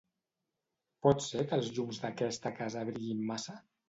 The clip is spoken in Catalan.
Pot ser que els llums d'aquesta casa brillin massa?